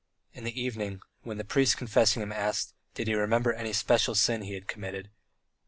In the evening, when the priest confessing him asked, Did he remember any special sin he had committed?